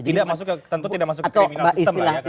tentu tidak masuk ke criminal system lah ya karena itu polisi